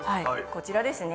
こちらですね。